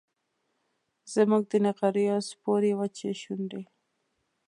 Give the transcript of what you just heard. زموږ د نغریو سپورې وچې شونډي